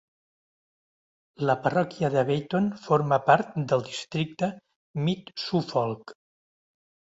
La parròquia de Beyton forma part del districte Mid Suffolk.